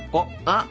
あっ！